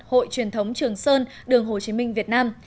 hội truyền thống trường sơn đường hồ chí minh việt nam